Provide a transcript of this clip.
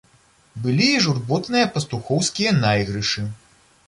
Былі і журботныя пастухоўскія найгрышы.